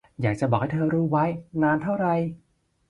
อยากจะบอกให้เธอรู้ไว้ นานเท่าไร